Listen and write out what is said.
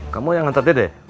kamu yang ntar dede